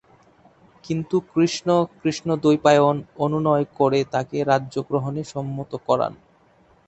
কিন্তু কৃষ্ণ, কৃষ্ণ-দ্বৈপায়ন, অনুনয় করে তাঁকে রাজ্য গ্রহণে সম্মত করান।